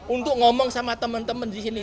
untuk ngomong sama temen temen di sini